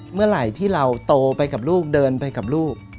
เมื่อไหร่ที่เราโตไปกับลูกเดินไปกับลูก